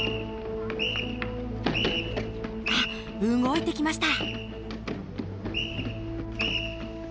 あっ動いてきました。